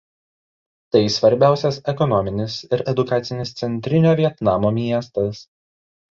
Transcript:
Tai svarbiausias ekonominis ir edukacinis centrinio Vietnamo miestas.